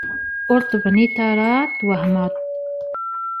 Ur d-tbaneḍ ara twehmeḍ.